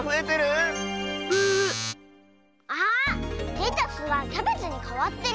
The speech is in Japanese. レタスがキャベツにかわってる？